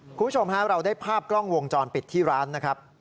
คุณผู้ชมฮะเราได้ภาพกล้องวงจรปิดที่ร้านนะครับ